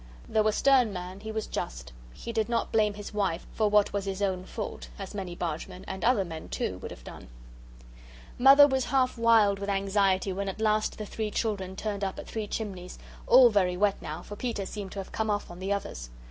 Though a stern man he was just. He did not blame his wife for what was his own fault, as many bargemen, and other men, too, would have done. Mother was half wild with anxiety when at last the three children turned up at Three Chimneys, all very wet by now, for Peter seemed to have come off on the others.